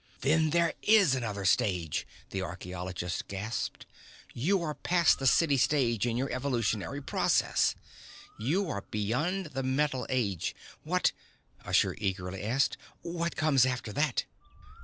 "Then there is another stage!" the archeologist gasped. "You are past the city stage in your evolutionary process. You are beyond the metal age. What " Usher eagerly asked. "What comes after that?"